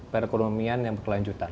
perekonomian yang berkelanjutan